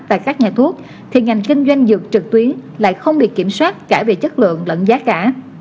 tại các nhà thuốc thì ngành kinh doanh dược trực tuyến lại không bị kiểm soát cả về chất lượng lẫn giá cả